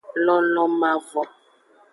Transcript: Lonlon mavo.